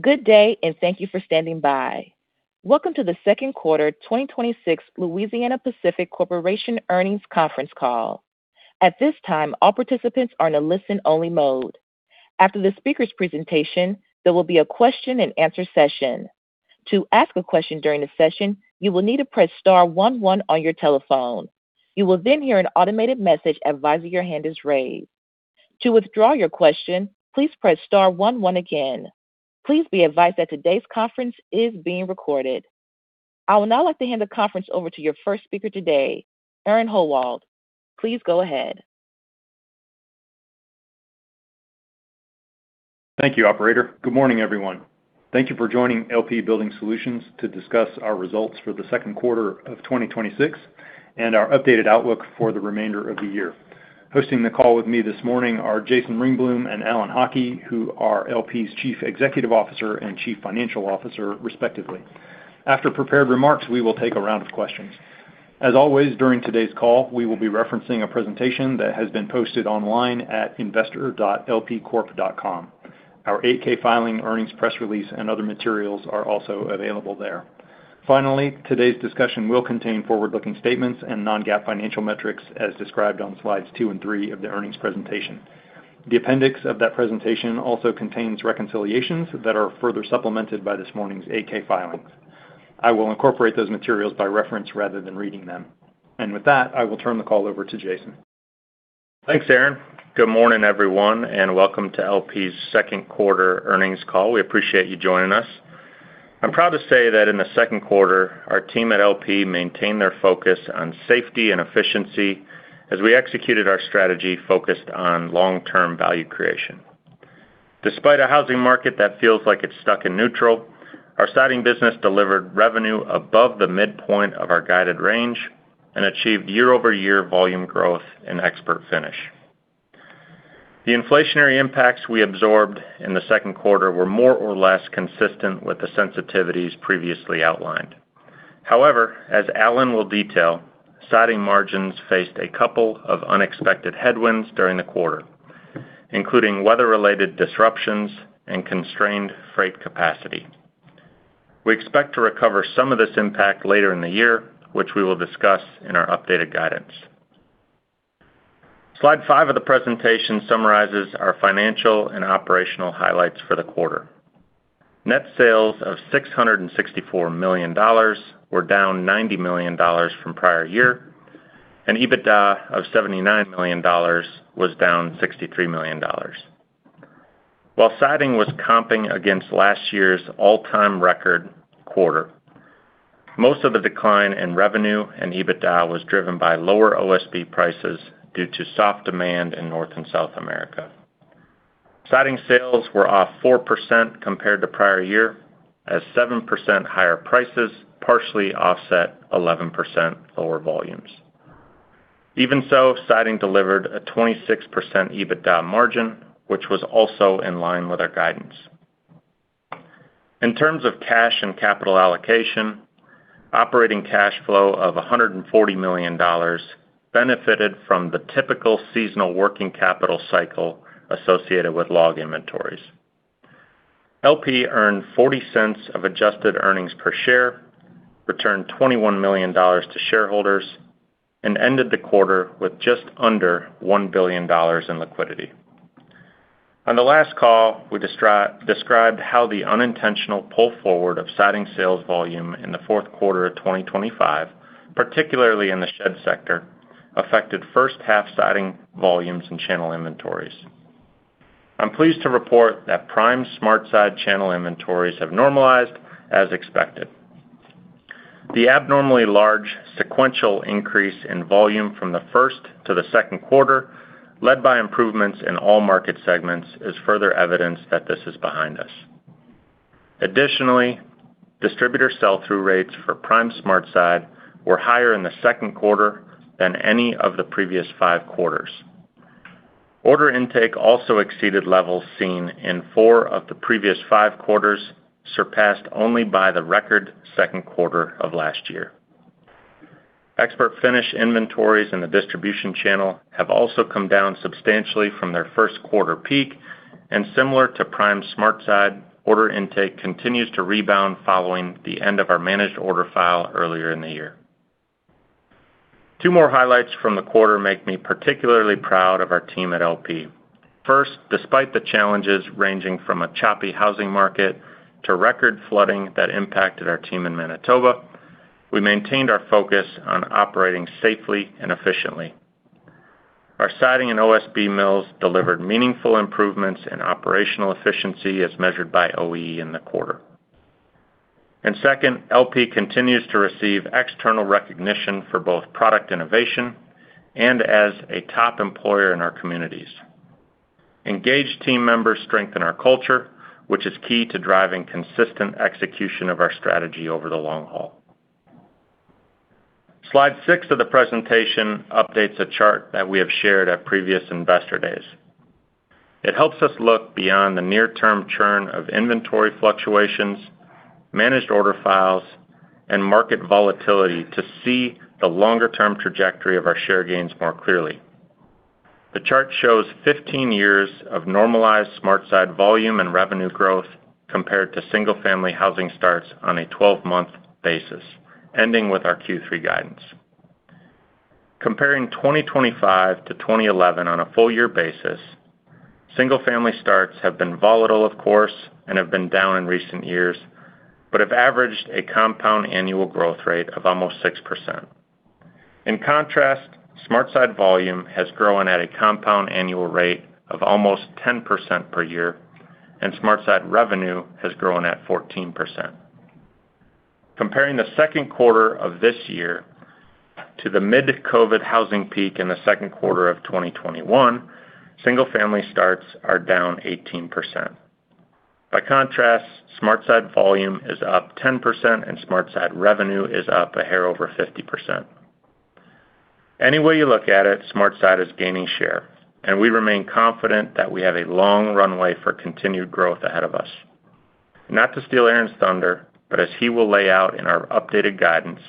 Good day. Thank you for standing by. Welcome to the second quarter 2026 Louisiana-Pacific Corporation earnings conference call. At this time, all participants are in a listen-only mode. After the speaker's presentation, there will be a question-and-answer session. To ask a question during the session, you will need to press star one one on your telephone. You will hear an automated message advising your hand is raised. To withdraw your question, please press star one one again. Please be advised that today's conference is being recorded. I would now like to hand the conference over to your first speaker today, Aaron Howald. Please go ahead. Thank you, operator. Good morning, everyone. Thank you for joining LP Building Solutions to discuss our results for the second quarter of 2026 and our updated outlook for the remainder of the year. Hosting the call with me this morning are Jason Ringblom and Alan Haughie, who are LP's Chief Executive Officer and Chief Financial Officer respectively. After prepared remarks, we will take a round of questions. As always, during today's call, we will be referencing a presentation that has been posted online at investor.lpcorp.com. Our 8-K filing, earnings press release, and other materials are also available there. Finally, today's discussion will contain forward-looking statements and non-GAAP financial metrics as described on slides two and three of the earnings presentation. The appendix of that presentation also contains reconciliations that are further supplemented by this morning's 8-K filings. I will incorporate those materials by reference rather than reading them. With that, I will turn the call over to Jason. Thanks, Aaron. Good morning, everyone. Welcome to LP's second quarter earnings call. We appreciate you joining us. I'm proud to say that in the second quarter, our team at LP maintained their focus on safety and efficiency as we executed our strategy focused on long-term value creation. Despite a housing market that feels like it's stuck in neutral, our Siding business delivered revenue above the midpoint of our guided range and achieved year-over-year volume growth in ExpertFinish. The inflationary impacts we absorbed in the second quarter were more or less consistent with the sensitivities previously outlined. As Alan will detail, Siding margins faced a couple of unexpected headwinds during the quarter, including weather-related disruptions and constrained freight capacity. We expect to recover some of this impact later in the year, which we will discuss in our updated guidance. Slide five of the presentation summarizes our financial and operational highlights for the quarter. Net sales of $664 million were down $90 million from prior year, and EBITDA of $79 million was down $63 million. While Siding was comping against last year's all-time record quarter, most of the decline in revenue and EBITDA was driven by lower OSB prices due to soft demand in North and South America. Siding sales were off 4% compared to prior year as 7% higher prices partially offset 11% lower volumes. Even so, Siding delivered a 26% EBITDA margin, which was also in line with our guidance. In terms of cash and capital allocation, operating cash flow of $140 million benefited from the typical seasonal working capital cycle associated with log inventories. LP earned $0.40 of adjusted earnings per share, returned $21 million to shareholders, and ended the quarter with just under $1 billion in liquidity. On the last call, we described how the unintentional pull forward of Siding sales volume in the fourth quarter of 2025, particularly in the shed sector, affected first-half Siding volumes and channel inventories. I'm pleased to report that Prime SmartSide channel inventories have normalized as expected. The abnormally large sequential increase in volume from the first to the second quarter, led by improvements in all market segments, is further evidence that this is behind us. Distributor sell-through rates for Prime SmartSide were higher in the second quarter than any of the previous five quarters. Order intake also exceeded levels seen in four of the previous five quarters, surpassed only by the record second quarter of last year. ExpertFinish inventories in the distribution channel have also come down substantially from their first quarter peak, and similar to Prime SmartSide, order intake continues to rebound following the end of our managed order file earlier in the year. Two more highlights from the quarter make me particularly proud of our team at LP. First, despite the challenges ranging from a choppy housing market to record flooding that impacted our team in Manitoba, we maintained our focus on operating safely and efficiently. Our Siding and OSB mills delivered meaningful improvements in operational efficiency as measured by OEE in the quarter. Second, LP continues to receive external recognition for both product innovation and as a top employer in our communities. Engaged team members strengthen our culture, which is key to driving consistent execution of our strategy over the long haul. Slide six of the presentation updates a chart that we have shared at previous Investor Days. It helps us look beyond the near-term churn of inventory fluctuations, managed order files, and market volatility to see the longer-term trajectory of our share gains more clearly. The chart shows 15 years of normalized SmartSide volume and revenue growth compared to single-family housing starts on a 12-month basis, ending with our Q3 guidance. Comparing 2025 to 2011 on a full year basis, single-family starts have been volatile, of course, and have been down in recent years, but have averaged a compound annual growth rate of almost 6%. In contrast, SmartSide volume has grown at a compound annual rate of almost 10% per year, and SmartSide revenue has grown at 14%. Comparing the second quarter of this year to the mid-COVID housing peak in the second quarter of 2021, single family starts are down 18%. By contrast, SmartSide volume is up 10% and SmartSide revenue is up a hair over 50%. Any way you look at it, SmartSide is gaining share, and we remain confident that we have a long runway for continued growth ahead of us. Not to steal Aaron's thunder, but as he will lay out in our updated guidance,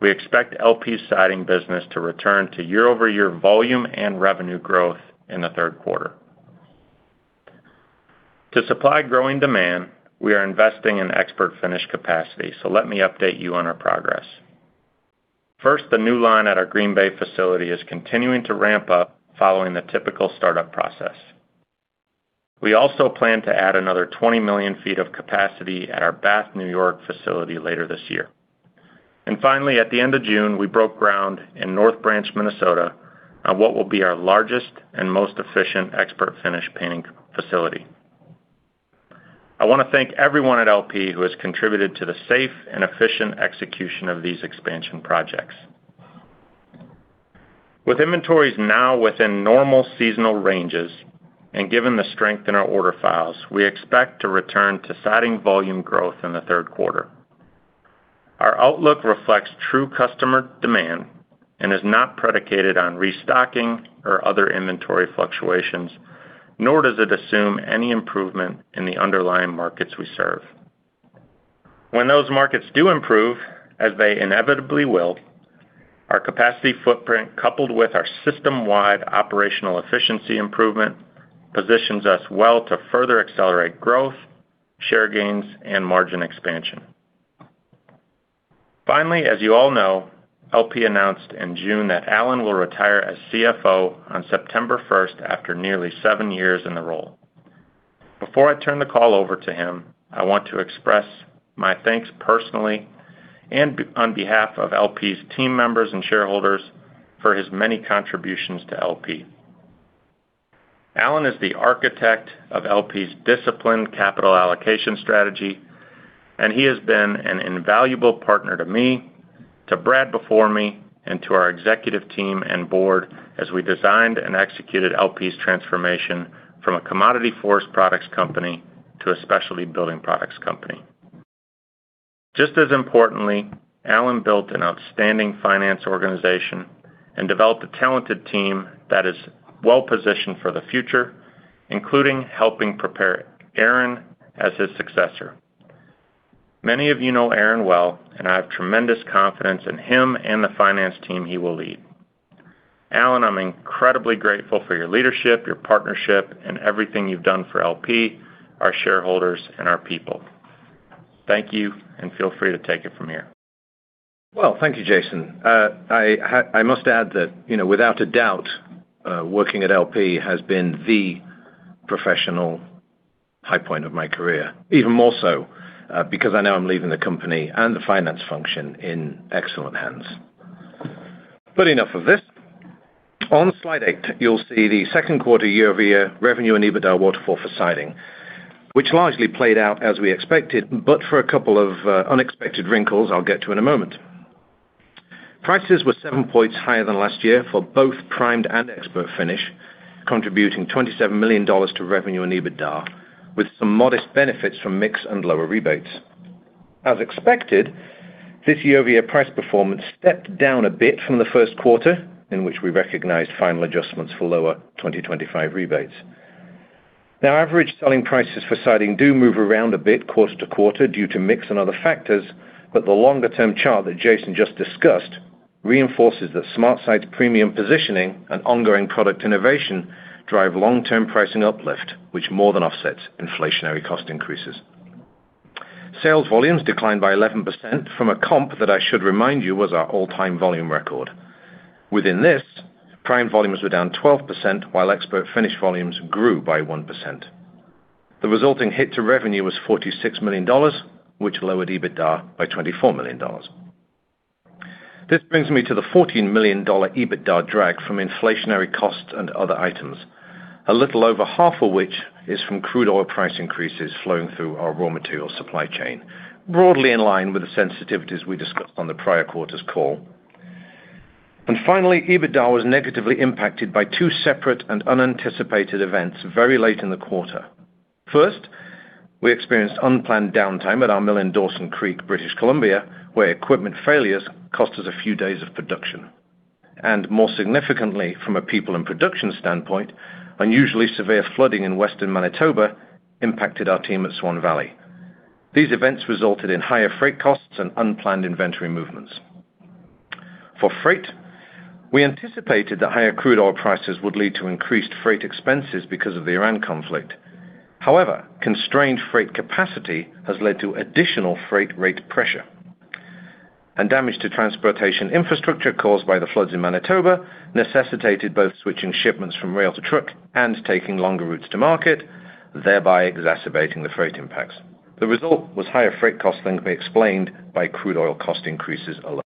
we expect LP Siding business to return to year-over-year volume and revenue growth in the third quarter. To supply growing demand, we are investing in ExpertFinish capacity. Let me update you on our progress. First, the new line at our Green Bay facility is continuing to ramp up following the typical startup process. We also plan to add another 20 million feet of capacity at our Bath, New York facility later this year. Finally, at the end of June, we broke ground in North Branch, Minnesota, on what will be our largest and most efficient ExpertFinish painting facility. I want to thank everyone at LP who has contributed to the safe and efficient execution of these expansion projects. With inventories now within normal seasonal ranges, and given the strength in our order files, we expect to return to Siding volume growth in the third quarter. Our outlook reflects true customer demand and is not predicated on restocking or other inventory fluctuations, nor does it assume any improvement in the underlying markets we serve. When those markets do improve, as they inevitably will, our capacity footprint, coupled with our system-wide operational efficiency improvement, positions us well to further accelerate growth, share gains, and margin expansion. Finally, as you all know, LP announced in June that Alan will retire as CFO on September 1st after nearly seven years in the role. Before I turn the call over to him, I want to express my thanks personally and on behalf of LP's team members and shareholders for his many contributions to LP. Alan is the architect of LP's disciplined capital allocation strategy, and he has been an invaluable partner to me, to Brad before me, and to our executive team and board as we designed and executed LP's transformation from a commodity forest products company to a specialty building products company. Just as importantly, Alan built an outstanding finance organization and developed a talented team that is well-positioned for the future, including helping prepare Aaron as his successor. Many of you know Aaron well, and I have tremendous confidence in him and the finance team he will lead. Alan, I'm incredibly grateful for your leadership, your partnership, and everything you've done for LP, our shareholders, and our people. Thank you. Feel free to take it from here. Well, thank you, Jason. I must add that without a doubt, working at LP has been the professional high point of my career, even more so because I know I'm leaving the company and the finance function in excellent hands. Enough of this. On slide eight, you'll see the second quarter year-over-year revenue and EBITDA waterfall for Siding, which largely played out as we expected, but for a couple of unexpected wrinkles I'll get to in a moment. Prices were 7 points higher than last year for both primed and ExpertFinish, contributing $27 million to revenue and EBITDA, with some modest benefits from mix and lower rebates. As expected, this year-over-year price performance stepped down a bit from the first quarter, in which we recognized final adjustments for lower 2025 rebates. Average selling prices for Siding do move around a bit quarter-to-quarter due to mix and other factors, but the longer-term chart that Jason just discussed reinforces that SmartSide's premium positioning and ongoing product innovation drive long-term pricing uplift, which more than offsets inflationary cost increases. Sales volumes declined by 11% from a comp that I should remind you was our all-time volume record. Within this, primed volumes were down 12%, while ExpertFinish volumes grew by 1%. The resulting hit to revenue was $46 million, which lowered EBITDA by $24 million. This brings me to the $14 million EBITDA drag from inflationary costs and other items, a little over half of which is from crude oil price increases flowing through our raw material supply chain, broadly in line with the sensitivities we discussed on the prior quarter's call. Finally, EBITDA was negatively impacted by two separate and unanticipated events very late in the quarter. First, we experienced unplanned downtime at our mill in Dawson Creek, British Columbia, where equipment failures cost us a few days of production. More significantly from a people and production standpoint, unusually severe flooding in western Manitoba impacted our team at Swan Valley. These events resulted in higher freight costs and unplanned inventory movements. For freight, we anticipated that higher crude oil prices would lead to increased freight expenses because of the Iran conflict. However, constrained freight capacity has led to additional freight rate pressure. Damage to transportation infrastructure caused by the floods in Manitoba necessitated both switching shipments from rail to truck and taking longer routes to market, thereby exacerbating the freight impacts. The result was higher freight costs than can be explained by crude oil cost increases alone.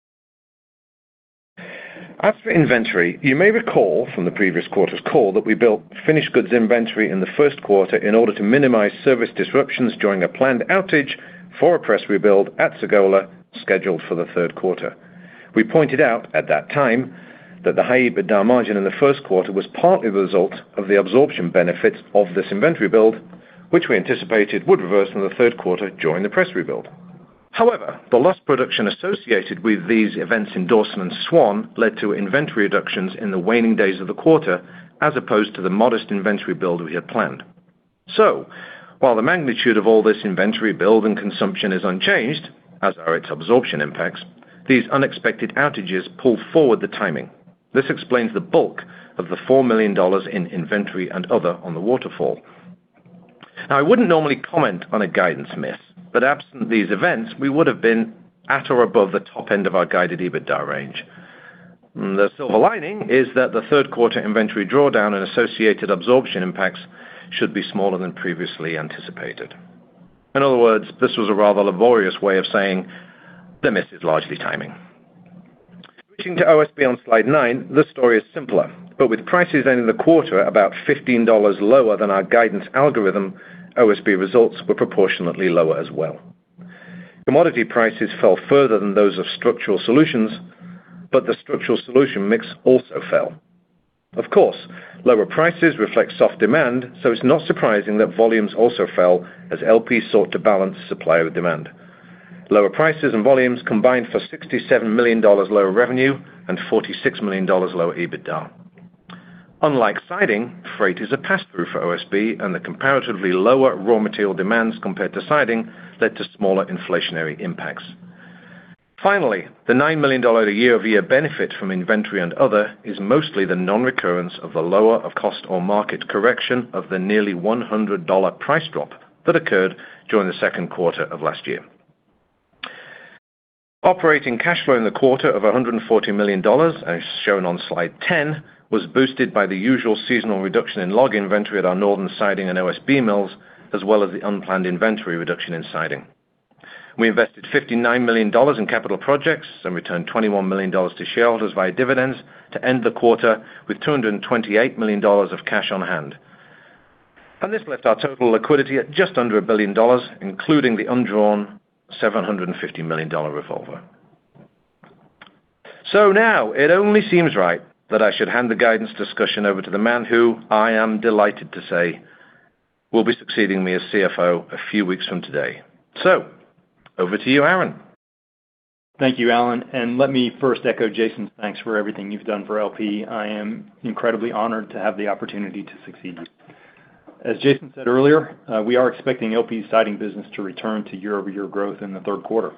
As for inventory, you may recall from the previous quarter's call that we built finished goods inventory in the first quarter in order to minimize service disruptions during a planned outage for a press rebuild at Sagola scheduled for the third quarter. We pointed out at that time that the high EBITDA margin in the first quarter was partly the result of the absorption benefits of this inventory build, which we anticipated would reverse in the third quarter during the press rebuild. The lost production associated with these events in Dawson and Swan led to inventory reductions in the waning days of the quarter, as opposed to the modest inventory build we had planned. While the magnitude of all this inventory build and consumption is unchanged, as are its absorption impacts, these unexpected outages pull forward the timing. This explains the bulk of the $4 million in inventory and other on the waterfall. I wouldn't normally comment on a guidance miss, but absent these events, we would have been at or above the top end of our guided EBITDA range. The silver lining is that the third-quarter inventory drawdown and associated absorption impacts should be smaller than previously anticipated. In other words, this was a rather laborious way of saying the miss is largely timing. Switching to OSB on slide nine, this story is simpler. With prices ending the quarter about $15 lower than our guidance algorithm, OSB results were proportionately lower as well. Commodity prices fell further than those of Structural Solutions, but the Structural Solution mix also fell. Of course, lower prices reflect soft demand, so it's not surprising that volumes also fell as LP sought to balance supply with demand. Lower prices and volumes combined for $67 million lower revenue and $46 million lower EBITDA. Unlike Siding, freight is a pass-through for OSB, and the comparatively lower raw material demands compared to Siding led to smaller inflationary impacts. Finally, the $9 million year-over-year benefit from inventory and other is mostly the non-recurrence of the lower of cost or market correction of the nearly $100 price drop that occurred during the second quarter of last year. Operating cash flow in the quarter of $140 million, as shown on slide 10, was boosted by the usual seasonal reduction in log inventory at our northern Siding and OSB mills, as well as the unplanned inventory reduction in Siding. We invested $59 million in capital projects and returned $21 million to shareholders via dividends to end the quarter with $228 million of cash on hand. This left our total liquidity at just under $1 billion, including the undrawn $750 million revolver. Now it only seems right that I should hand the guidance discussion over to the man who I am delighted to say will be succeeding me as CFO a few weeks from today. Over to you, Aaron. Thank you, Alan, let me first echo Jason's thanks for everything you've done for LP. I am incredibly honored to have the opportunity to succeed you. As Jason said earlier, we are expecting LP Siding business to return to year-over-year growth in the third quarter.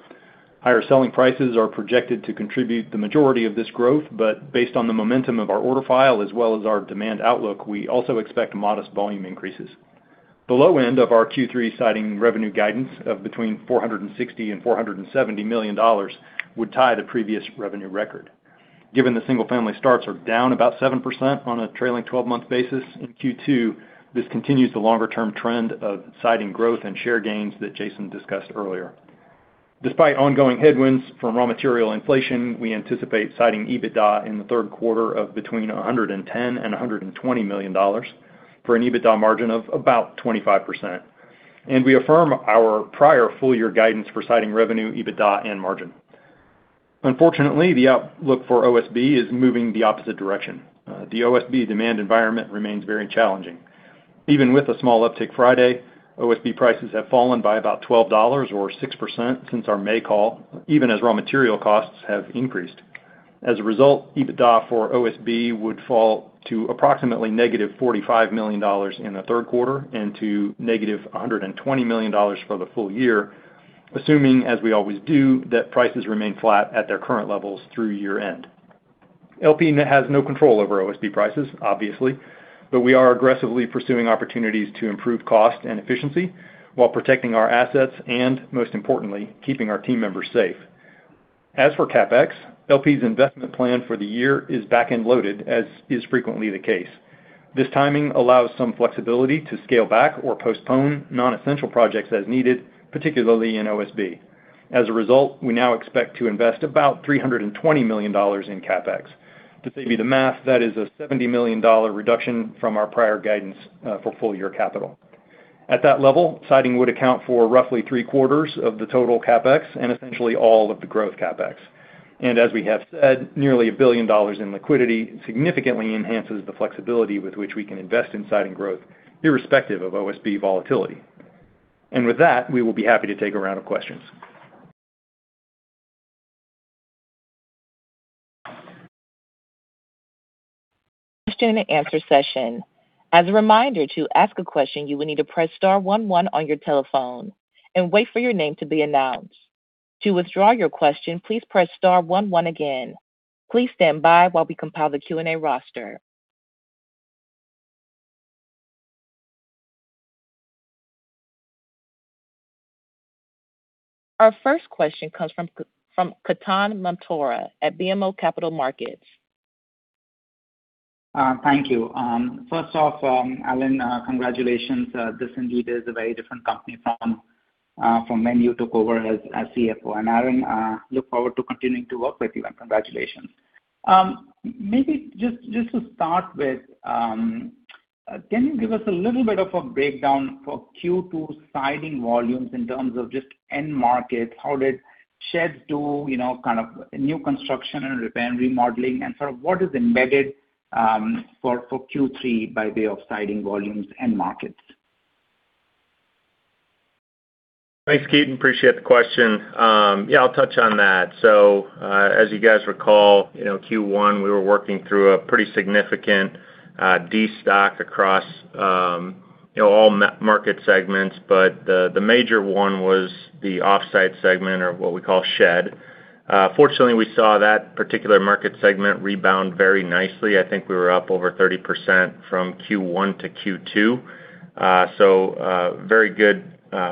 Higher selling prices are projected to contribute the majority of this growth, but based on the momentum of our order file as well as our demand outlook, we also expect modest volume increases. The low end of our Q3 Siding revenue guidance of between $460 million and $470 million would tie the previous revenue record. Given the single-family starts are down about 7% on a trailing 12-month basis in Q2, this continues the longer-term trend of Siding growth and share gains that Jason discussed earlier. Despite ongoing headwinds from raw material inflation, we anticipate Siding EBITDA in the third quarter of between $110 million and $120 million, for an EBITDA margin of about 25%. We affirm our prior full year guidance for Siding revenue, EBITDA, and margin. Unfortunately, the outlook for OSB is moving the opposite direction. The OSB demand environment remains very challenging. Even with a small uptick Friday, OSB prices have fallen by about $12, or 6%, since our May call, even as raw material costs have increased. As a result, EBITDA for OSB would fall to approximately $-45 million in the third quarter and to $-120 million for the full year, assuming, as we always do, that prices remain flat at their current levels through year-end. LP has no control over OSB prices, obviously, but we are aggressively pursuing opportunities to improve cost and efficiency while protecting our assets and, most importantly, keeping our team members safe. As for CapEx, LP's investment plan for the year is back-end loaded, as is frequently the case. This timing allows some flexibility to scale back or postpone non-essential projects as needed, particularly in OSB. As a result, we now expect to invest about $320 million in CapEx. To save you the math, that is a $70 million reduction from our prior guidance for full-year capital. At that level, Siding would account for roughly 3/4 of the total CapEx and essentially all of the growth CapEx. As we have said, nearly $1 billion in liquidity significantly enhances the flexibility with which we can invest in Siding growth, irrespective of OSB volatility. With that, we will be happy to take a round of questions. Question-and-answer session. As a reminder, to ask a question, you will need to press star one one on your telephone and wait for your name to be announced. To withdraw your question, please press star one one again. Please stand by while we compile the Q&A roster. Our first question comes from Ketan Mamtora at BMO Capital Markets. Thank you. First off, Alan, congratulations. This indeed is a very different company from when you took over as CFO. Aaron, look forward to continuing to work with you, and congratulations. Maybe just to start with, can you give us a little bit of a breakdown for Q2 Siding volumes in terms of just end markets? How did sheds do, kind of new construction and repair, remodeling, and sort of what is embedded for Q3 by way of Siding volumes, end markets? Thanks, Ketan, appreciate the question. Yeah, I'll touch on that. As you guys recall, Q1, we were working through a pretty significant destock across all market segments, but the major one was the off-site segment, or what we call shed. Fortunately, we saw that particular market segment rebound very nicely. I think we were up over 30% from Q1 to Q2. Very good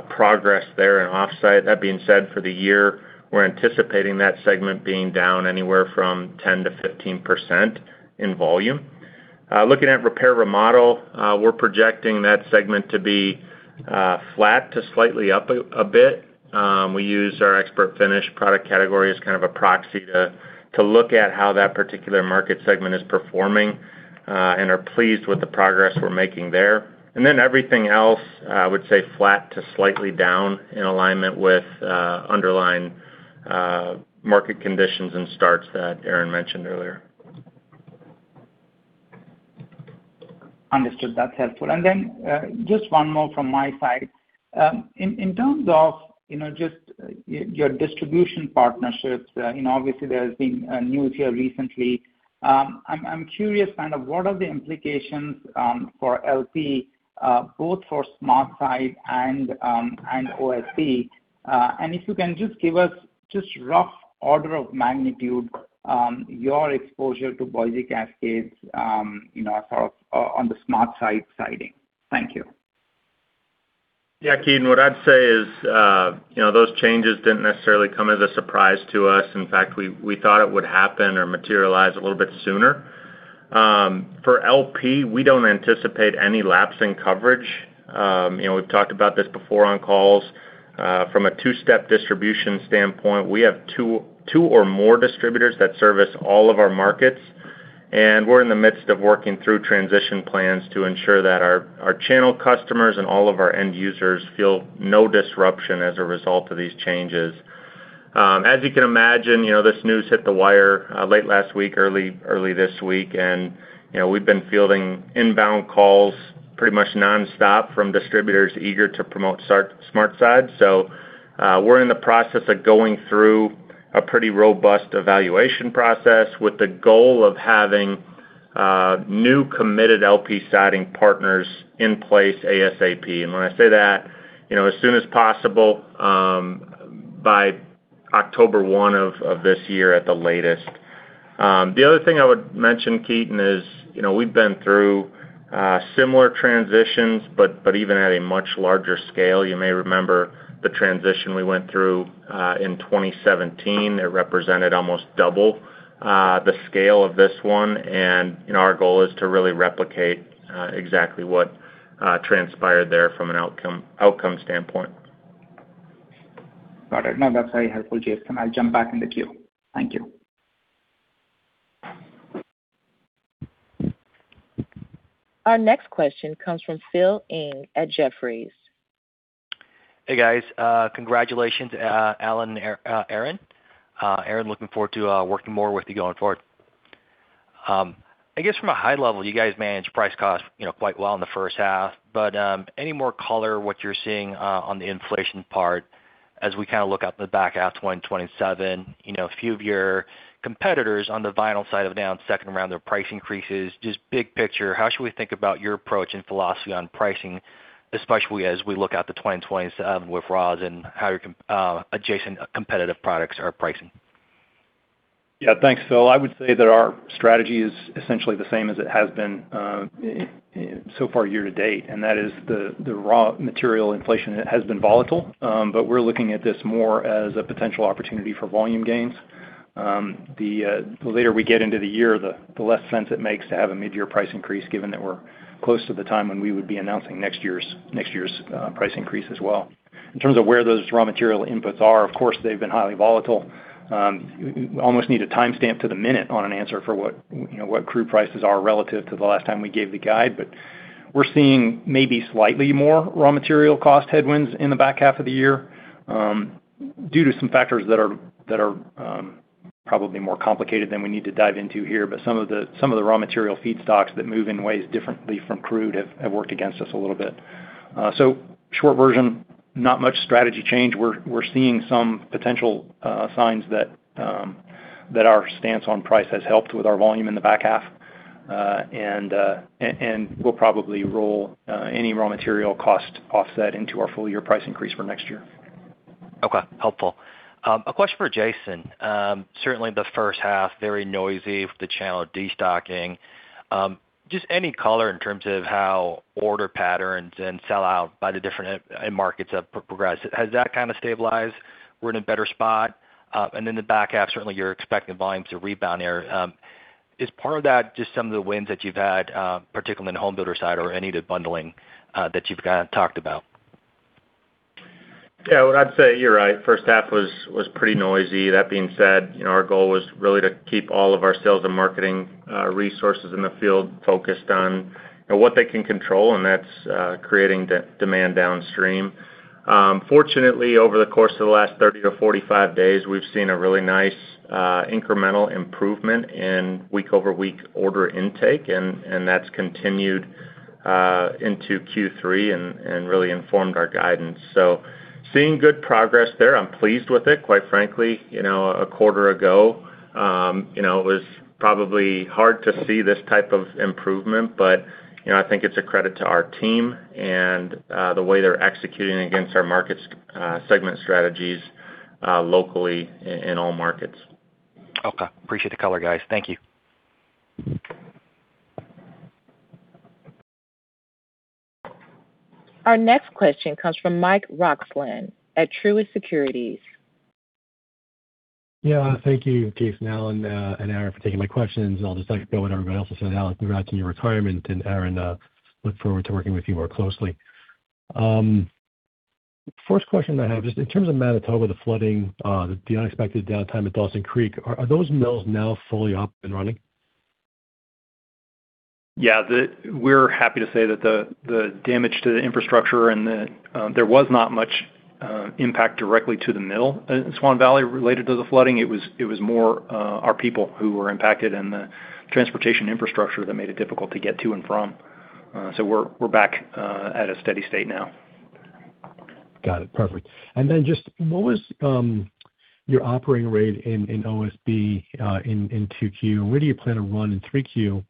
progress there in off-site. That being said, for the year, we're anticipating that segment being down anywhere from 10%-15% in volume. Looking at repair/remodel, we're projecting that segment to be flat to slightly up a bit. We use our ExpertFinish product category as kind of a proxy to look at how that particular market segment is performing, and are pleased with the progress we're making there. Everything else, I would say flat to slightly down in alignment with underlying market conditions and starts that Aaron mentioned earlier. Understood. That's helpful. Just one more from my side. In terms of just your distribution partnerships, obviously there's been news here recently. I'm curious, kind of what are the implications for LP, both for SmartSide and OSB. If you can just give us just rough order of magnitude, your exposure to Boise Cascade on the SmartSide Siding. Thank you. Yeah, Ketan, what I'd say is those changes didn't necessarily come as a surprise to us. In fact, we thought it would happen or materialize a little bit sooner. For LP, we don't anticipate any lapse in coverage. We've talked about this before on calls. From a two-step distribution standpoint, we have two or more distributors that service all of our markets, and we're in the midst of working through transition plans to ensure that our channel customers and all of our end users feel no disruption as a result of these changes. As you can imagine, this news hit the wire late last week, early this week, and we've been fielding inbound calls pretty much nonstop from distributors eager to promote SmartSide. We're in the process of going through a pretty robust evaluation process with the goal of having new committed LP Siding partners in place ASAP. When I say that, as soon as possible, by October 1 of this year at the latest. The other thing I would mention, Ketan, is we've been through similar transitions but even at a much larger scale. You may remember the transition we went through in 2017. It represented almost double the scale of this one, and our goal is to really replicate exactly what transpired there from an outcome standpoint. Got it. No, that's very helpful, Jason. I'll jump back in the queue. Thank you. Our next question comes from Phil Ng at Jefferies. Hey, guys. Congratulations, Alan and Aaron. Aaron, looking forward to working more with you going forward. From a high level, you guys managed price cost quite well in the first half, any more color what you're seeing on the inflation part as we kind of look out the back half of 2027? A few of your competitors on the vinyl side have announced second-round price increases. Just big picture, how should we think about your approach and philosophy on pricing, especially as we look out to 2027 with raw and how your adjacent competitive products are pricing? Yeah, thanks, Phil. I would say that our strategy is essentially the same as it has been so far year-to-date, and that is the raw material inflation has been volatile. We're looking at this more as a potential opportunity for volume gains. The later we get into the year, the less sense it makes to have a mid-year price increase given that we're close to the time when we would be announcing next year's price increase as well. In terms of where those raw material inputs are, of course, they've been highly volatile. Almost need a timestamp to the minute on an answer for what crude prices are relative to the last time we gave the guide. We're seeing maybe slightly more raw material cost headwinds in the back half of the year, due to some factors that are probably more complicated than we need to dive into here. Some of the raw material feedstocks that move in ways differently from crude have worked against us a little bit. Short version Not much strategy change. We're seeing some potential signs that our stance on price has helped with our volume in the back half. We'll probably roll any raw material cost offset into our full-year price increase for next year. Okay, helpful. A question for Jason. Certainly the first half, very noisy with the channel destocking. Just any color in terms of how order patterns and sell-out by the different end markets have progressed. Has that kind of stabilized? We're in a better spot? In the back half, certainly you're expecting volumes to rebound there. Is part of that just some of the wins that you've had, particularly in the home builder side or any of the bundling that you've kind of talked about? What I'd say, you're right. First half was pretty noisy. That being said, our goal was really to keep all of our sales and marketing resources in the field focused on what they can control, and that's creating demand downstream. Fortunately, over the course of the last 30-45 days, we've seen a really nice incremental improvement in week-over-week order intake, and that's continued into Q3 and really informed our guidance. Seeing good progress there. I'm pleased with it, quite frankly. A quarter ago, it was probably hard to see this type of improvement, but I think it's a credit to our team and the way they're executing against our market segment strategies locally in all markets. Appreciate the color, guys. Thank you. Our next question comes from Mike Roxland at Truist Securities. Thank you, Ketan and Alan and Aaron for taking my questions. I'll just echo what everybody else has said, Alan, congrats on your retirement, and Aaron, look forward to working with you more closely. First question I have, just in terms of Manitoba, the flooding, the unexpected downtime at Dawson Creek, are those mills now fully up and running? We're happy to say that the damage to the infrastructure and there was not much impact directly to the mill at Swan Valley related to the flooding. It was more our people who were impacted and the transportation infrastructure that made it difficult to get to and from. We're back at a steady state now. Got it. Perfect. What was your operating rate in OSB in 2Q, and where do you plan to run in 3Q?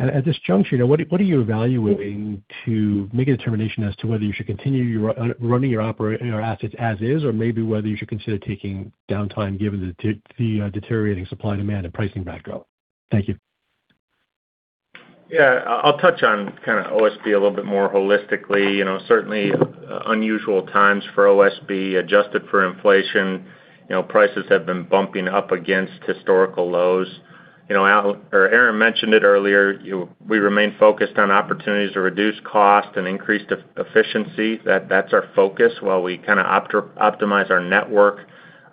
At this juncture, now, what are you evaluating to make a determination as to whether you should continue running your assets as is, or maybe whether you should consider taking downtime given the deteriorating supply and demand and pricing backdrop? Thank you. I'll touch on kind of OSB a little bit more holistically. Certainly unusual times for OSB. Adjusted for inflation, prices have been bumping up against historical lows. Aaron mentioned it earlier, we remain focused on opportunities to reduce cost and increase efficiency. That's our focus while we kind of optimize our network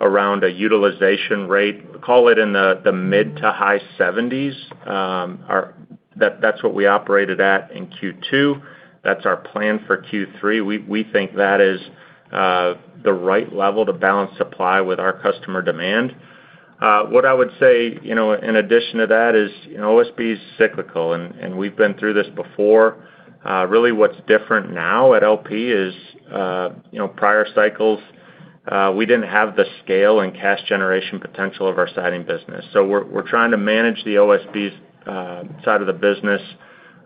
around a utilization rate, call it in the mid to high 70s. That's what we operated at in Q2. That's our plan for Q3. We think that is the right level to balance supply with our customer demand. What I would say, in addition to that is, OSB is cyclical, and we've been through this before. Really what's different now at LP is prior cycles, we didn't have the scale and cash generation potential of our Siding business. We're trying to manage the OSB side of the business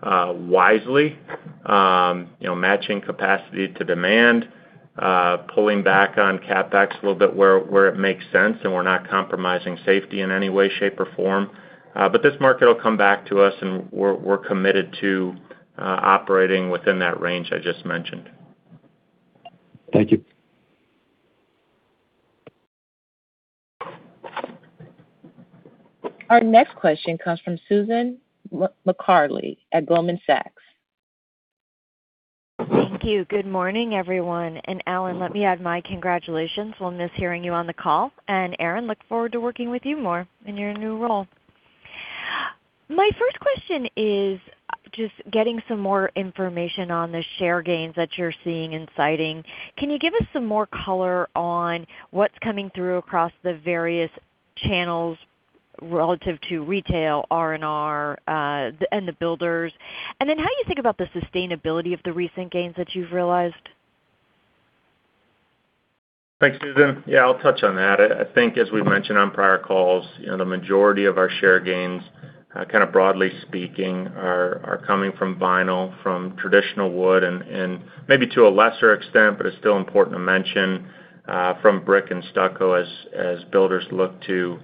wisely, matching capacity to demand, pulling back on CapEx a little bit where it makes sense, and we're not compromising safety in any way, shape, or form. This market will come back to us and we're committed to operating within that range I just mentioned. Thank you. Our next question comes from Susan Maklari at Goldman Sachs. Thank you. Good morning, everyone. Alan, let me add my congratulations. We'll miss hearing you on the call. Aaron, look forward to working with you more in your new role. My first question is just getting some more information on the share gains that you're seeing in Siding. Can you give us some more color on what's coming through across the various channels relative to retail, R&R, and the builders? How do you think about the sustainability of the recent gains that you've realized? Thanks, Susan. Yeah, I'll touch on that. I think as we've mentioned on prior calls, the majority of our share gains, kind of broadly speaking, are coming from vinyl, from traditional wood, and maybe to a lesser extent, but it's still important to mention, from brick and stucco as builders look to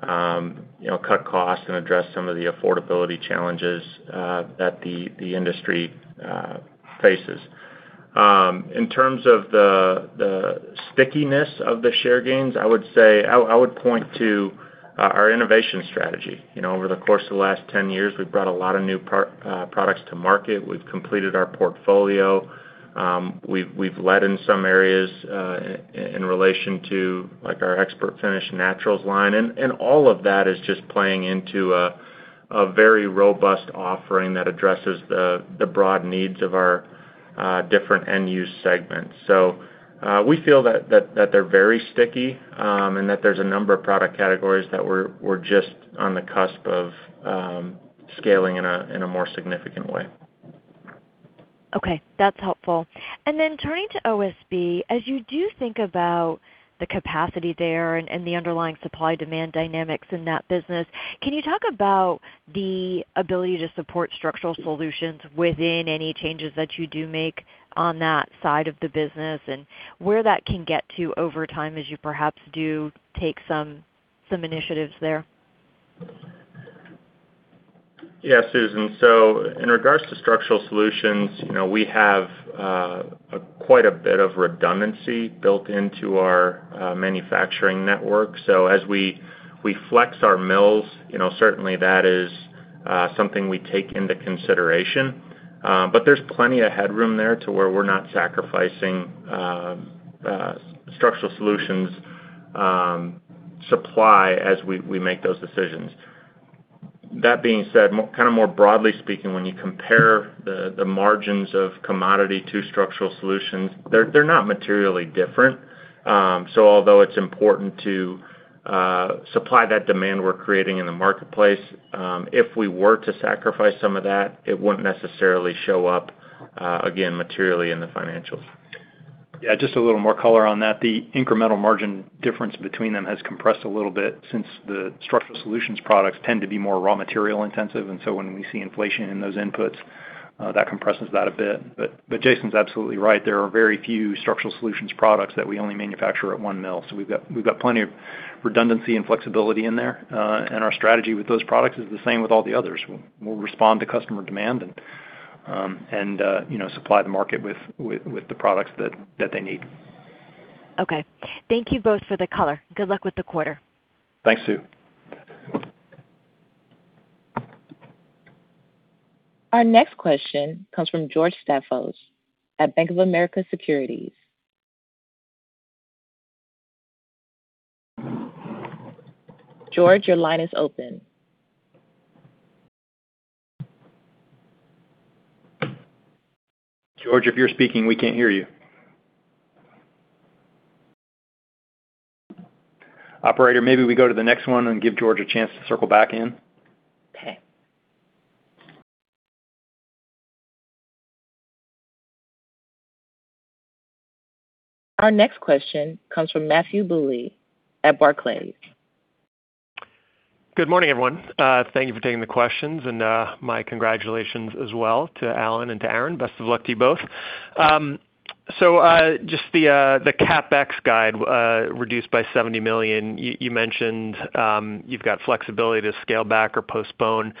cut costs and address some of the affordability challenges that the industry faces. In terms of the stickiness of the share gains, I would point to our innovation strategy. Over the course of the last 10 years, we've brought a lot of new products to market. We've completed our portfolio. We've led in some areas in relation to our ExpertFinish Naturals Collection line, All of that is just playing into a very robust offering that addresses the broad needs of our different end-use segments. We feel that they're very sticky, and that there's a number of product categories that we're just on the cusp of scaling in a more significant way. Okay. That's helpful. Turning to OSB, as you do think about the capacity there and the underlying supply-demand dynamics in that business, can you talk about the ability to support Structural Solutions within any changes that you do make on that side of the business, and where that can get to over time as you perhaps do take some initiatives there? Yes, Susan. In regards to Structural Solutions, we have quite a bit of redundancy built into our manufacturing network. As we flex our mills, certainly that is something we take into consideration. But there's plenty of headroom there to where we're not sacrificing Structural Solutions supply as we make those decisions. That being said, kind of more broadly speaking, when you compare the margins of commodity to Structural Solutions, they're not materially different. Although it's important to supply that demand we're creating in the marketplace, if we were to sacrifice some of that, it wouldn't necessarily show up, again, materially in the financials. Yeah, just a little more color on that. The incremental margin difference between them has compressed a little bit since the Structural Solutions products tend to be more raw material intensive. When we see inflation in those inputs, that compresses that a bit. Jason's absolutely right. There are very few Structural Solutions products that we only manufacture at one mill. We've got plenty of redundancy and flexibility in there. Our strategy with those products is the same with all the others. We'll respond to customer demand and supply the market with the products that they need. Okay. Thank you both for the color. Good luck with the quarter. Thanks, Sue. Our next question comes from George Staphos at Bank of America Securities. George, your line is open. George, if you're speaking, we can't hear you. Operator, maybe we go to the next one and give George a chance to circle back in. Okay. Our next question comes from Matthew Bouley at Barclays. Good morning, everyone. Thank you for taking the questions and my congratulations as well to Alan and to Aaron. Best of luck to you both. The CapEx guide reduced by $70 million. You mentioned you've got flexibility to scale back or postpone.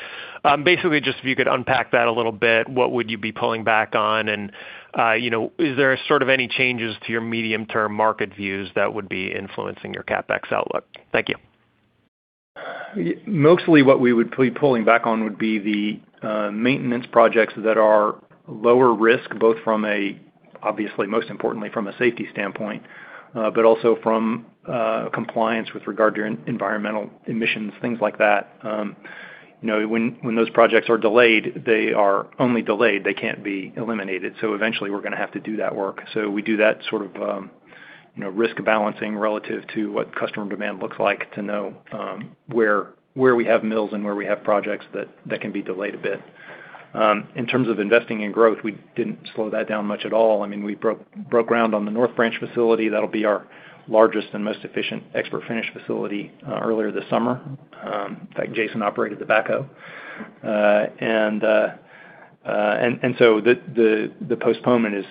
Basically, just if you could unpack that a little bit, what would you be pulling back on? Is there sort of any changes to your medium-term market views that would be influencing your CapEx outlook? Thank you. Mostly what we would be pulling back on would be the maintenance projects that are lower risk, both from a, obviously most importantly, from a safety standpoint, but also from compliance with regard to environmental emissions, things like that. When those projects are delayed, they are only delayed. They can't be eliminated. Eventually we're going to have to do that work. We do that sort of risk balancing relative to what customer demand looks like to know where we have mills and where we have projects that can be delayed a bit. In terms of investing in growth, we didn't slow that down much at all. We broke ground on the North Branch facility, that'll be our largest and most efficient ExpertFinish facility, earlier this summer. In fact, Jason operated the backhoe. The postponement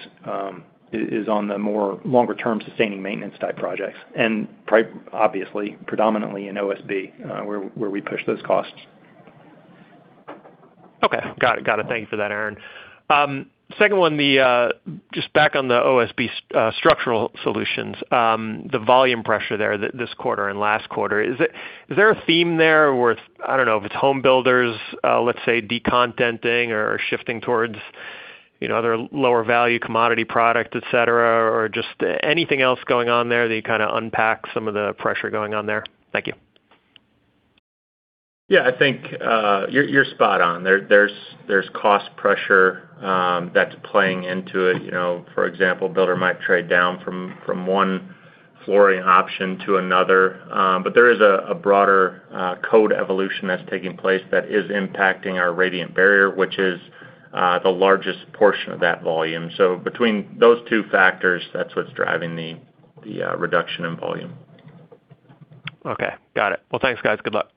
is on the more longer-term sustaining maintenance type projects, and obviously predominantly in OSB, where we push those costs. Okay. Got it. Thank you for that, Aaron. Second one, just back on the OSB Structural Solutions, the volume pressure there this quarter and last quarter. Is there a theme there where it's, I don't know if it's home builders, let's say de-contenting or shifting towards other lower value commodity product, etc., or just anything else going on there that you kind of unpack some of the pressure going on there? Thank you. Yeah, I think you're spot on. There's cost pressure that's playing into it. For example, builder might trade down from one flooring option to another. There is a broader code evolution that's taking place that is impacting our radiant barrier, which is the largest portion of that volume. Between those two factors, that's what's driving the reduction in volume. Okay. Got it. Well, thanks guys. Good luck.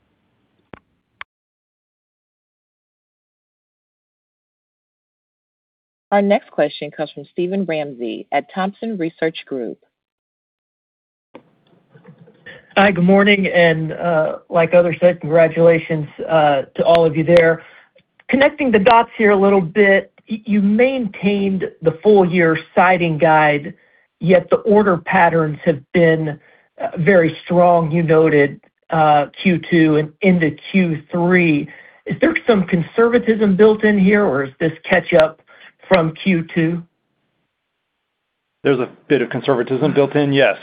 Our next question comes from Steven Ramsey at Thompson Research Group. Hi, good morning, like others said, congratulations to all of you there. Connecting the dots here a little bit, you maintained the full year Siding guide, yet the order patterns have been very strong. You noted Q2 and into Q3. Is there some conservatism built in here, or is this catch up from Q2? There's a bit of conservatism built in, yes.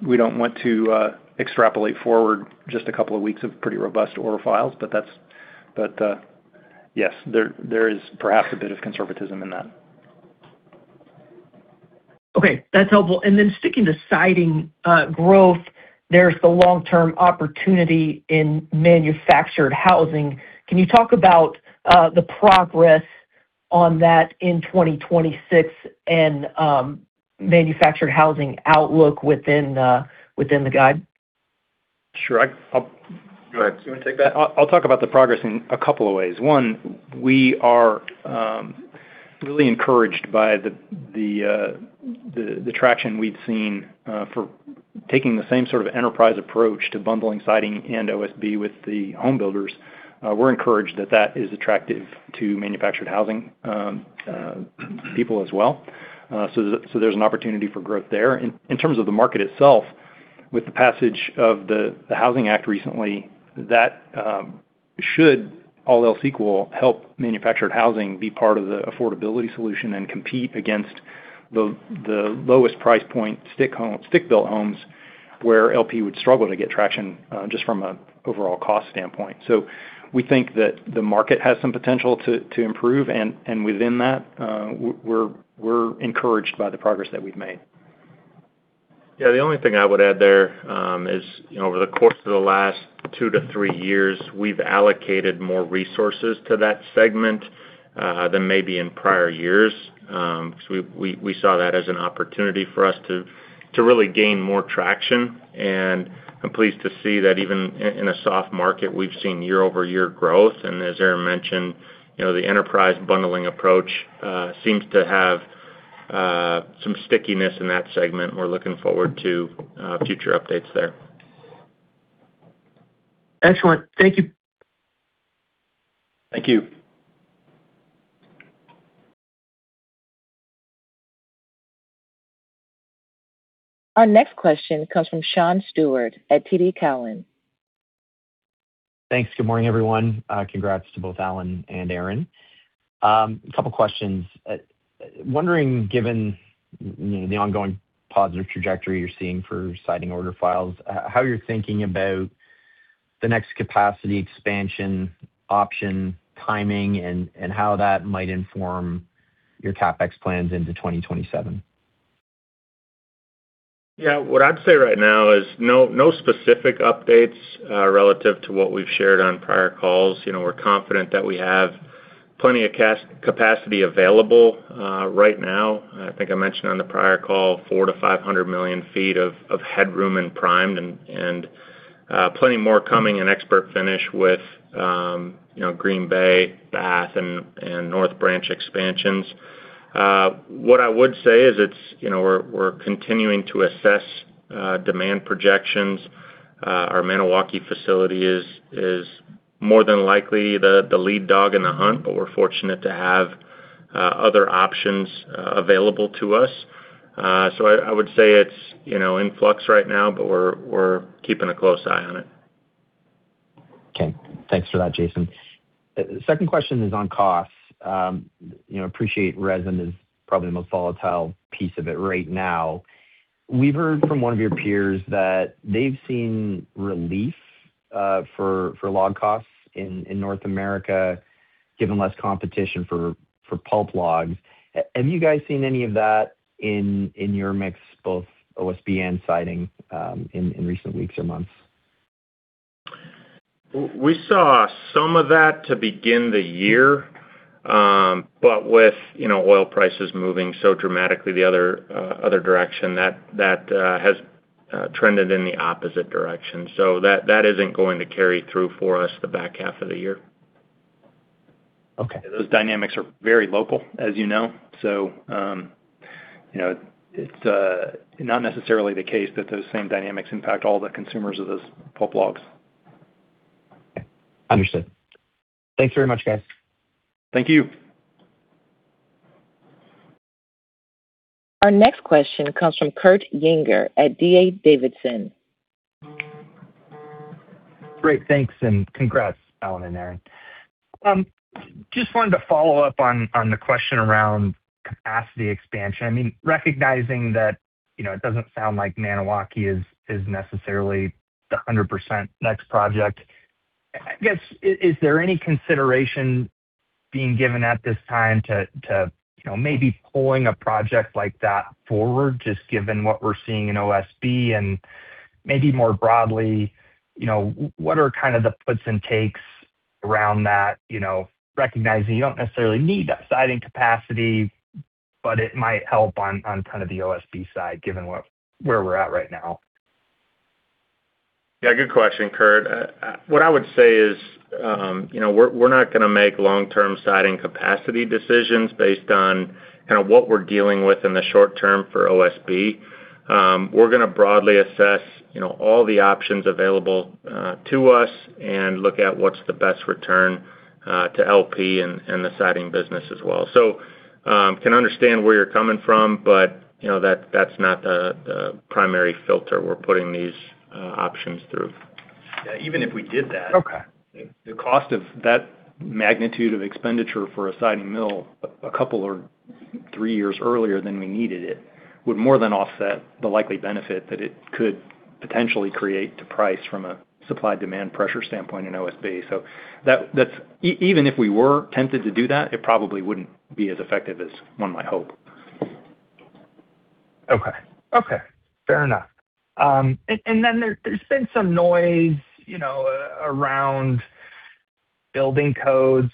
We don't want to extrapolate forward just a couple of weeks of pretty robust order files, yes, there is perhaps a bit of conservatism in that. Okay, that's helpful. Then sticking to Siding growth, there's the long-term opportunity in manufactured housing. Can you talk about the progress on that in 2026 and manufactured housing outlook within the guide? Sure. Go ahead. Do you want to take that? I'll talk about the progress in a couple of ways. One, we are really encouraged by the traction we've seen for taking the same sort of enterprise approach to bundling Siding and OSB with the home builders. We're encouraged that that is attractive to manufactured housing people as well. There's an opportunity for growth there. In terms of the market itself, with the passage of the Housing Act recently, that should, all else equal, help manufactured housing be part of the affordability solution and compete against the lowest price point stick-built homes where LP would struggle to get traction, just from an overall cost standpoint. We think that the market has some potential to improve, and within that, we're encouraged by the progress that we've made. Yeah, the only thing I would add there is, over the course of the last two to three years, we've allocated more resources to that segment than maybe in prior years. We saw that as an opportunity for us to really gain more traction. I'm pleased to see that even in a soft market, we've seen year-over-year growth. As Aaron mentioned, the enterprise bundling approach seems to have some stickiness in that segment. We're looking forward to future updates there. Excellent. Thank you. Thank you. Our next question comes from Sean Steuart at TD Cowen. Thanks. Good morning, everyone. Congrats to both Alan and Aaron. Couple questions. Wondering, given the ongoing positive trajectory you're seeing for Siding order files, how you're thinking about the next capacity expansion option timing, and how that might inform your CapEx plans into 2027. Yeah. What I'd say right now is no specific updates relative to what we've shared on prior calls. We're confident that we have plenty of capacity available right now. I think I mentioned on the prior call, 400 million feet-500 million feet of headroom in primed and plenty more coming in ExpertFinish with Green Bay, Bath, and North Branch expansions. What I would say is we're continuing to assess demand projections. Our Maniwaki facility is more than likely the lead dog in the hunt, but we're fortunate to have other options available to us. I would say it's in flux right now, but we're keeping a close eye on it. Okay. Thanks for that, Jason. Second question is on costs. Appreciate resin is probably the most volatile piece of it right now. We've heard from one of your peers that they've seen relief for log costs in North America, given less competition for pulp logs. Have you guys seen any of that in your mix, both OSB and Siding, in recent weeks or months? We saw some of that to begin the year. With oil prices moving so dramatically the other direction, that has trended in the opposite direction. That isn't going to carry through for us the back half of the year. Okay. Those dynamics are very local, as you know. It's not necessarily the case that those same dynamics impact all the consumers of those pulp logs. Okay. Understood. Thanks very much, guys. Thank you. Our next question comes from Kurt Yinger at D.A. Davidson. Great. Thanks, congrats, Alan and Aaron. Just wanted to follow up on the question around capacity expansion. Recognizing that it doesn't sound like Maniwaki is necessarily the 100% next project. I guess, is there any consideration being given at this time to maybe pulling a project like that forward, just given what we're seeing in OSB? Maybe more broadly, what are kind of the puts and takes around that? Recognizing you don't necessarily need that Siding capacity, but it might help on kind of the OSB side, given where we're at right now. Yeah, good question, Kurt. What I would say is we're not going to make long-term Siding capacity decisions based on what we're dealing with in the short term for OSB. We're going to broadly assess all the options available to us and look at what's the best return to LP and the Siding business as well. Can understand where you're coming from, but that's not the primary filter we're putting these options through. Yeah, even if we did that- Okay ...the cost of that magnitude of expenditure for a Siding mill a couple or three years earlier than we needed it would more than offset the likely benefit that it could potentially create to price from a supply-demand pressure standpoint in OSB. Even if we were tempted to do that, it probably wouldn't be as effective as one might hope. Okay. Fair enough. Then there's been some noise around building codes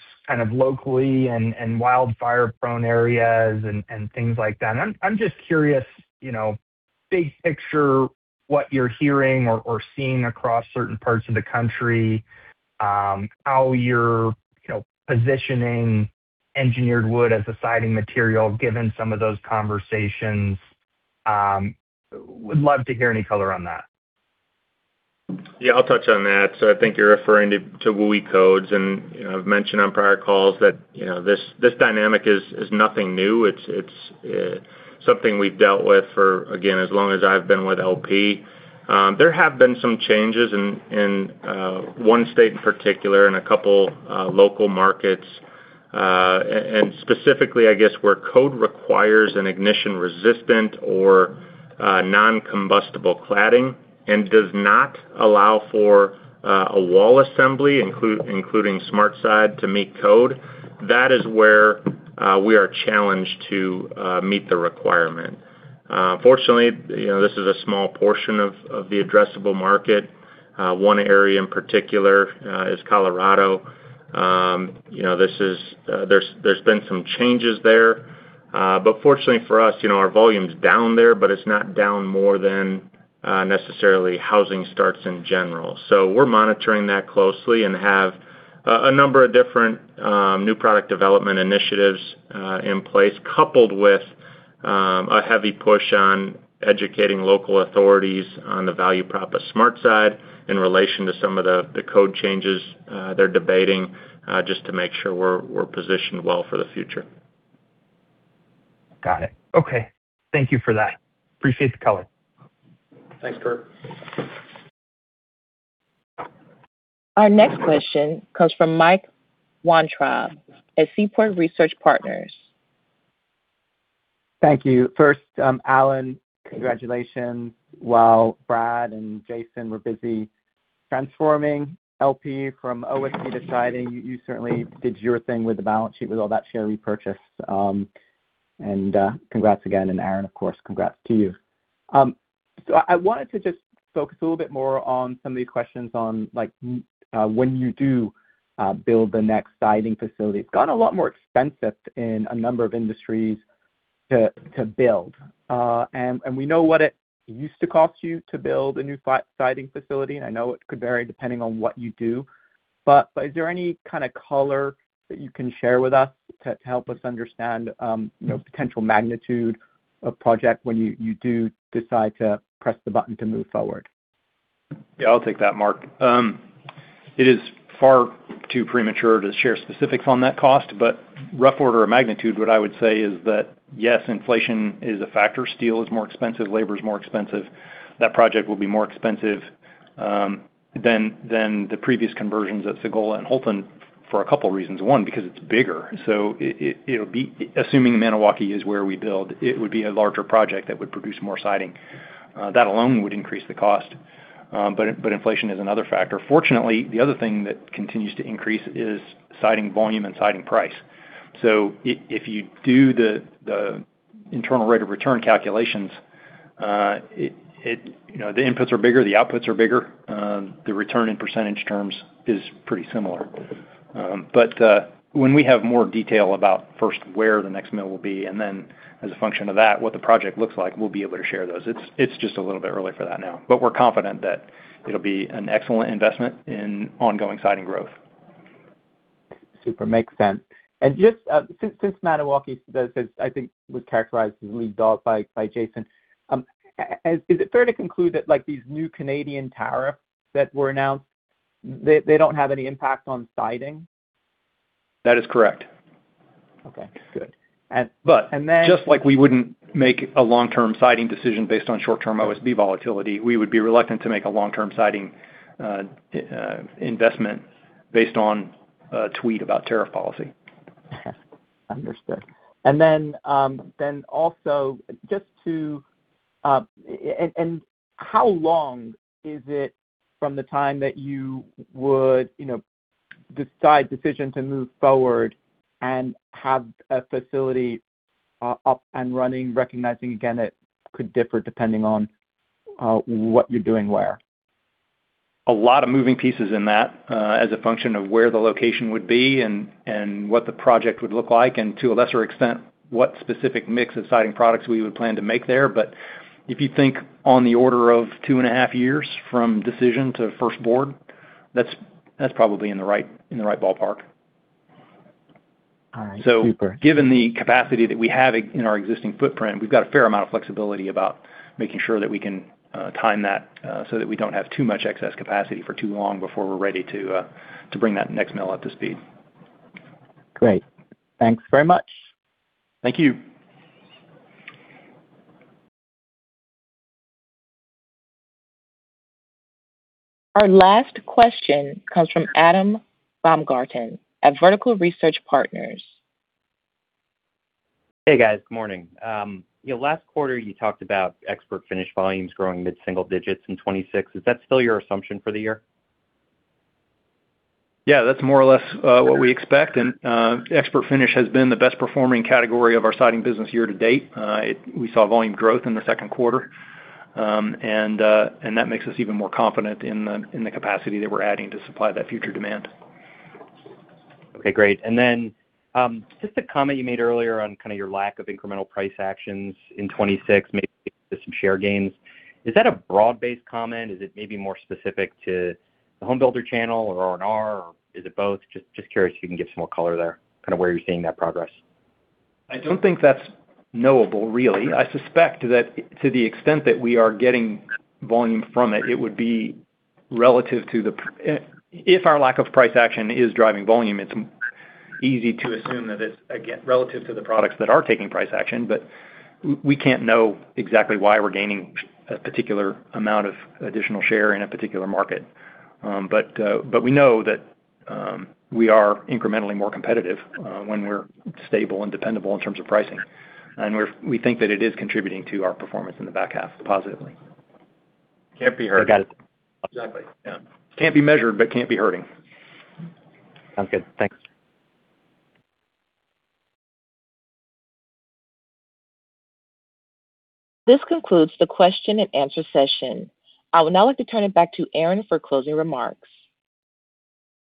locally in wildfire-prone areas and things like that. I'm just curious, big picture, what you're hearing or seeing across certain parts of the country, how you're positioning engineered wood as a Siding material, given some of those conversations. Would love to hear any color on that. Yeah, I'll touch on that. I think you're referring to WUI codes, and I've mentioned on prior calls that this dynamic is nothing new. It's something we've dealt with for, again, as long as I've been with LP. There have been some changes in one state in particular and a couple local markets, specifically, I guess, where code requires an ignition-resistant or non-combustible cladding and does not allow for a wall assembly, including SmartSide, to meet code. That is where we are challenged to meet the requirement. Fortunately, this is a small portion of the addressable market. One area in particular is Colorado. There's been some changes there. Fortunately for us, our volume's down there, but it's not down more than necessarily housing starts in general. We're monitoring that closely and have a number of different new product development initiatives in place, coupled with a heavy push on educating local authorities on the value prop of SmartSide in relation to some of the code changes they're debating, just to make sure we're positioned well for the future. Got it. Okay. Thank you for that. Appreciate the color. Thanks, Kurt. Our next question comes from Mark Weintraub at Seaport Research Partners. Thank you. First, Alan, congratulations. While Brad and Jason were busy transforming LP from OSB to Siding, you certainly did your thing with the balance sheet with all that share repurchase. Congrats again. Aaron, of course, congrats to you. I wanted to just focus a little bit more on some of the questions on, when you do build the next Siding facility. It's gotten a lot more expensive in a number of industries to build. We know what it used to cost you to build a new Siding facility, and I know it could vary depending on what you do. Is there any kind of color that you can share with us to help us understand potential magnitude of project when you do decide to press the button to move forward? Yeah, I'll take that, Mark. It is far too premature to share specifics on that cost, but rough order of magnitude, what I would say is that, yes, inflation is a factor. Steel is more expensive, labor is more expensive. That project will be more expensive than the previous conversions at Sagola and Houlton for a couple of reasons. One, because it's bigger. Assuming Maniwaki is where we build, it would be a larger project that would produce more Siding. That alone would increase the cost. Inflation is another factor. Fortunately, the other thing that continues to increase is Siding volume and Siding price. If you do the internal rate of return calculations, the inputs are bigger, the outputs are bigger. The return in percentage terms is pretty similar. When we have more detail about first where the next mill will be, and then as a function of that, what the project looks like, we'll be able to share those. It's just a little bit early for that now. We're confident that it'll be an excellent investment in ongoing Siding growth. Super. Makes sense. Just since Maniwaki does, I think, was characterized as lead dog by Jason, is it fair to conclude that these new Canadian tariffs that were announced, they don't have any impact on Siding? That is correct. Okay, good. Just like we wouldn't make a long-term Siding decision based on short-term OSB volatility, we would be reluctant to make a long-term Siding investment based on a tweet about tariff policy. Understood. How long is it from the time that you would decide decision to move forward and have a facility up and running, recognizing, again, it could differ depending on what you're doing where? A lot of moving pieces in that as a function of where the location would be and what the project would look like, and to a lesser extent, what specific mix of Siding products we would plan to make there. If you think on the order of two and a half years from decision to first board, that's probably in the right ballpark. All right. Super. Given the capacity that we have in our existing footprint, we've got a fair amount of flexibility about making sure that we can time that, so that we don't have too much excess capacity for too long before we're ready to bring that next mill up to speed. Great. Thanks very much. Thank you. Our last question comes from Adam Baumgarten at Vertical Research Partners. Hey guys, good morning. Last quarter you talked about ExpertFinish volumes growing mid-single digits in 2026. Is that still your assumption for the year? Yeah, that's more or less what we expect. ExpertFinish has been the best performing category of our Siding business year-to-date. We saw volume growth in the second quarter. That makes us even more confident in the capacity that we're adding to supply that future demand. Okay, great. Just a comment you made earlier on kind of your lack of incremental price actions in 2026, maybe some share gains. Is that a broad-based comment? Is it maybe more specific to the home builder channel or R&R or is it both? Just curious if you can give some more color there, kind of where you're seeing that progress. I don't think that's knowable really. I suspect that to the extent that we are getting volume from it, if our lack of price action is driving volume, it's easy to assume that it's, again, relative to the products that are taking price action, but we can't know exactly why we're gaining a particular amount of additional share in a particular market. We know that we are incrementally more competitive when we're stable and dependable in terms of pricing. We think that it is contributing to our performance in the back half positively. Can't be hurting. Exactly, yeah. Can't be measured, can't be hurting. Sounds good. Thanks. This concludes the question-and-answer session. I would now like to turn it back to Aaron for closing remarks.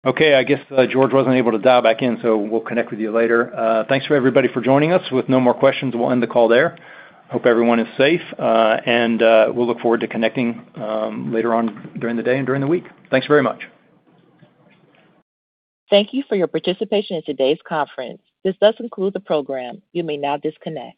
Okay. I guess George wasn't able to dial back in, so we'll connect with you later. Thanks for everybody for joining us. With no more questions, we'll end the call there. Hope everyone is safe, and we'll look forward to connecting later on during the day and during the week. Thanks very much. Thank you for your participation in today's conference. This does conclude the program. You may now disconnect.